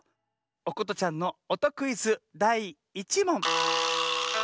おことちゃんのおとクイズだい１もん。